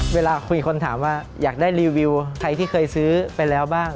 เวลาคุยคนถามว่าอยากได้รีวิวใครที่เคยซื้อไปแล้วบ้าง